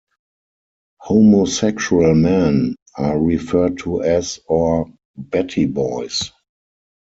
Homosexual men are referred to as or "batty boys".